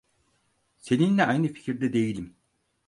Seninle aynı fikirde değilim.